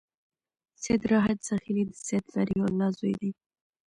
سید راحت زاخيلي د سید فریح الله زوی و.